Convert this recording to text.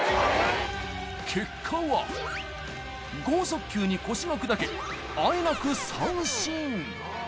結果は、剛速球に腰が砕け、あえなく三振。